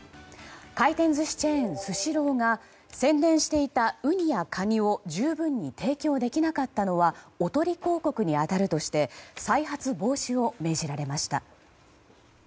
回転寿司チェーン、スシローが宣伝していたウニやカニを十分に提供できなかったのはおとり広告に当たるとして再発防止を命じられました。